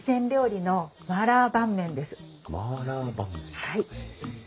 はい。